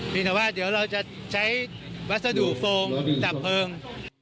แต่ว่าเดี๋ยวเราจะใช้วัสดุโฟงดับเพลิง